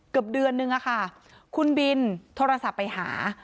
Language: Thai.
เกือบเดือนนึงอะค่ะคุณบินโทรศัพท์ไปหา